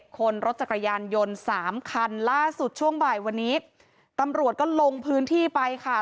คนรถจักรยานยนต์๓คันล่าสุดช่วงบ่ายวันนี้ตำรวจก็ลงพื้นที่ไปค่ะ